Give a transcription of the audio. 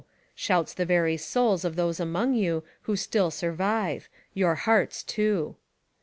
— shouts the very souls of those among you who still survive : Your hearts, too.